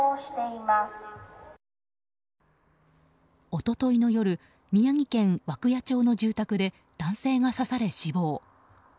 一昨日の夜宮城県涌谷町の住宅で男性が刺され死亡。